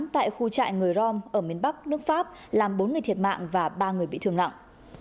tại khu trại người rom ở miền bắc nước pháp làm bốn người thiệt mạng và ba người bị thương nặng